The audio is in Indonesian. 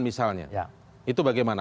misalnya itu bagaimana